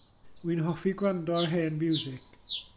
Wi'n hoffi gwrando ar hen fiwsig.